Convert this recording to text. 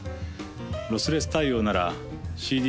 ロスレス対応ならＣＤ